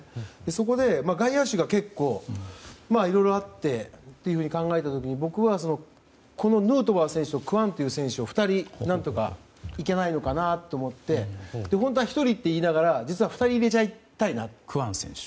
そこで、外野手が結構いろいろあってと考えた時に僕は、このヌートバー選手とクワンという選手を２人何とかいけないのかなと思いながら本当は１人と言いながら２人を入れちゃいたいなと。